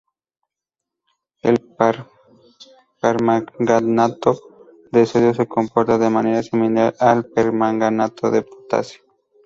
El permanganato de sodio se comporta de manera similar al permanganato de potasio.